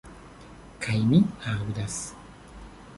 Kaj mi aŭdas.